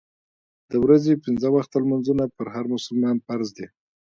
د ورځې پنځه وخته لمونځونه پر هر مسلمان فرض دي.